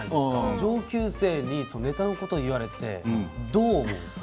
上級生にネタのことを言われてどう思うんですか？